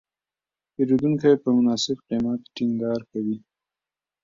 پیرودونکی په مناسب قیمت ټینګار کوي.